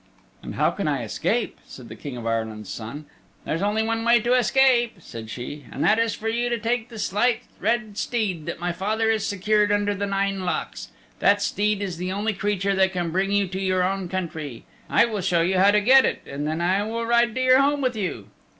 "And how can I escape?" said the King of Ireland's Son, "There's only one way to escape," said she, "and that is for you to take the Slight Red Steed that my father has secured under nine locks. That steed is the only creature that can bring you to your own country. I will show you how to get it and then I will ride to your home with you."